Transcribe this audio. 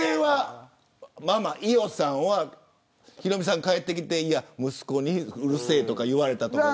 伊代さんはヒロミさんが帰ってきて息子にうるせえとか言われたとか。